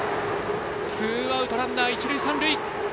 ツーアウトランナー、一塁三塁。